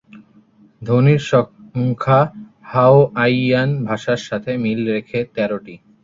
ধ্বনির সংখ্যা হাওয়াইয়ান ভাষার সাথে মিল রেখে তেরোটি।